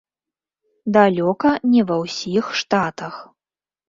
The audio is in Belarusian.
Далёка не ва ўсіх штатах.